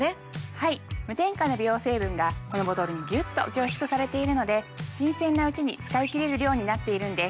はい無添加の美容成分がこのボトルにギュッと凝縮されているので新鮮なうちに使い切れる量になっているんです。